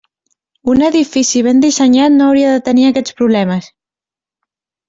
Un edifici ben dissenyat no hauria de tenir aquests problemes.